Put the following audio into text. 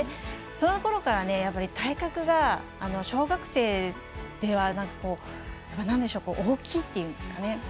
そのころから、体格が小学生では大きいっていうんですかね。